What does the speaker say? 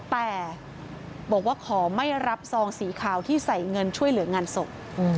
แต่บอกว่าขอไม่รับซองสีขาวที่ใส่เงินช่วยเหลืองานศพ